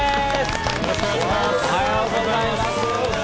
よろしくお願いします。